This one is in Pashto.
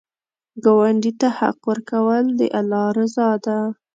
ګاونډي ته حق ورکول، د الله رضا ده